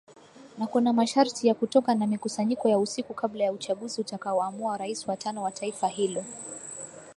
Na kuna masharti ya kutoka na mikusanyiko ya usiku kabla ya uchaguzi utakao amua rais wa tano wa taifa hilo.